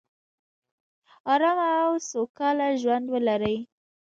ارامه او سوکاله ژوندولري